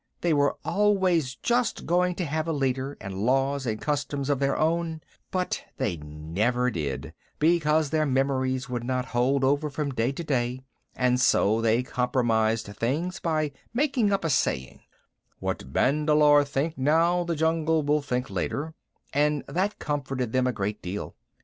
They were always just going to have a leader, and laws and customs of their own, but they never did, because their memories would not hold over from day to day, and so they compromised things by making up a saying, "What the Bandar log think now the jungle will think later," and that comforted them a great deal.